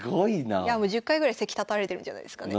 いやもう１０回ぐらい席立たれてるんじゃないですかね